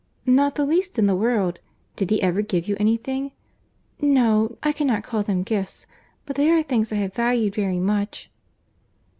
"Not the least in the world.—Did he ever give you any thing?" "No—I cannot call them gifts; but they are things that I have valued very much."